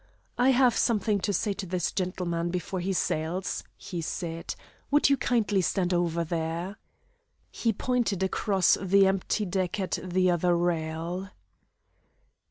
"I have something to say to this gentleman before he sails," he said; "would you kindly stand over there?" He pointed across the empty deck at the other rail.